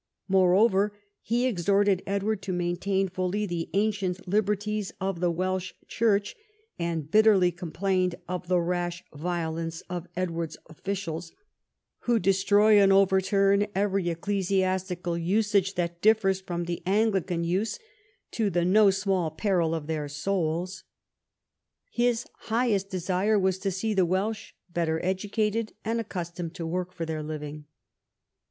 Moreover, he exhorted Edward to maintain fully the ancient liberties of the Welsh Church, and bitterly complained of the rash violence of Edward's officials, who "destroy and overturn every ecclesiastical usage that differs from the Anglican use to the no small peril of their souls." His highest desire was to see the Welsh better educated and accustomed to work for their liWng.